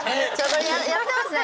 これやってますね。